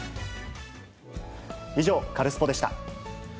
以上、カルスポっ！でした。